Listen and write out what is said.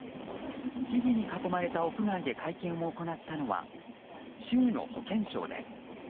木々に囲まれた屋外で会見を行ったのは州の保健相です。